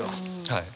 はい。